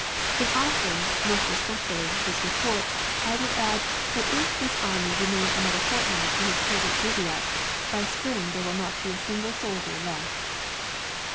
In offering, most respectfully, this report, 100 WAR AND PEACE. I would add, that if this army remain another fortnight in its present bivouac, by spring there will not be a single sound soldier left.